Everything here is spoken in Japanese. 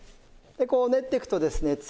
でこう練っていくとですね